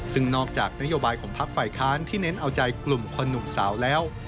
ซึ่งนอกจากนโยบายของพักฝ่ายค้านที่เน้นเอาใจกลุ่มคนหนุ่มสาวแล้ว